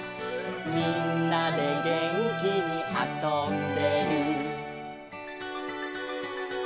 「みんなでげんきにあそんでる」